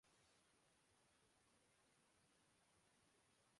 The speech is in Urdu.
آج کیا موڈ ہے، کھیلیں گے؟